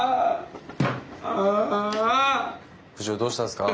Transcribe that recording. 部長どうしたんですか？